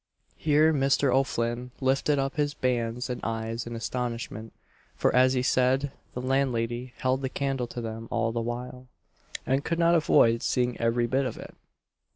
Here Mr. O'Flinn lifted up his bands and eyes in astonishment; for, as he said, the landlady held the candle to them all the while, and could not avoid seeing every bit of it.